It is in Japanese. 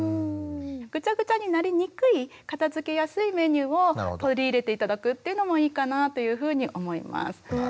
ぐちゃぐちゃになりにくい片づけやすいメニューを取り入れて頂くっていうのもいいかなというふうに思います。